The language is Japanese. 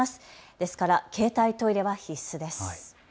ですから携帯トイレは必須です。